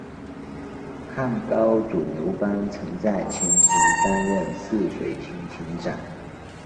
汉高祖刘邦曾在秦时担任泗水亭亭长。